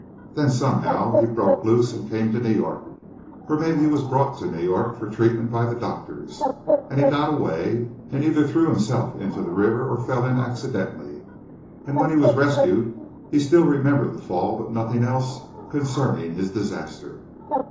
Then, somehow he broke loose and came to New York, or, maybe, he was brought to New York for treatment by the doctors and he got away and either threw himself into the river or fell in accidentally, and when he was rescued he still remembered the fall but nothing else concerning his disaster."